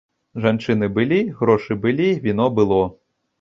Жанчыны былі, грошы былі, віно было.